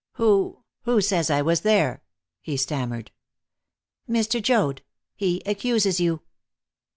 "Who who says I was there?" he stammered. "Mr. Joad he accuses you."